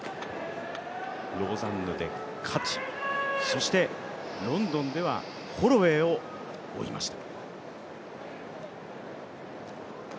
ローザンヌで勝ち、そしてロンドンではホロウェイを追いました。